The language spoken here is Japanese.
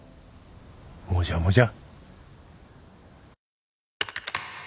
もじゃもじゃ？